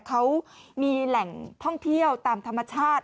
เขามีแหล่งท่องเที่ยวตามธรรมชาติ